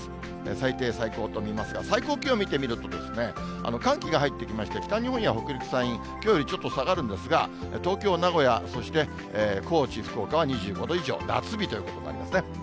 最低、最高と見ますが、最高気温見てみると、寒気が入ってきまして、北日本や北陸、山陰、きょうよりちょっと下がるんですが、東京、名古屋、そして高知、福岡は２５度以上、夏日ということになりますね。